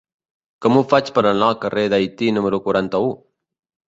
Com ho faig per anar al carrer d'Haití número quaranta-u?